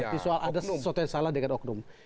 berarti ada sesuatu yang salah dengan oknum